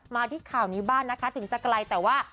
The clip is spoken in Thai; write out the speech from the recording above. มาที่ข่าวนี้บ้างนะคะถึงจะไกลแต่ว่า